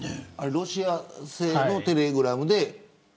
ロシア製のテレグラムで。